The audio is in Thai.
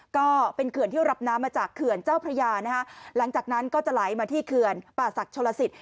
ก็เป็นเขื่อนที่รับน้ำมาจากเขื่อนเจ้าพระยานะฮะหลังจากนั้นก็จะไหลมาที่เขื่อนป่าศักดิโชลสิต